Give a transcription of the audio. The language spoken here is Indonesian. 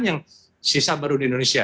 yang sisa baru di indonesia